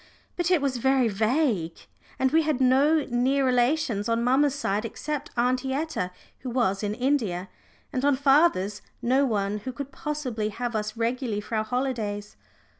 But it was very vague. And we had no near relations on mamma's side except Aunty Etta, who was in India, and on father's no one who could possibly have us regularly for our holidays.